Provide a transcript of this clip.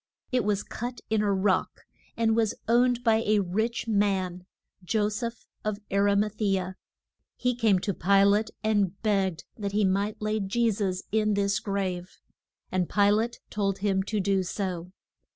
It was cut in a rock, and was owned by a rich man Jo seph of Ar i ma the a. He came to Pi late and begged that he might lay Je sus in this grave, and Pi late told him to do so.